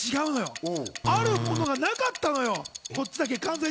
あるものがなかったのよ。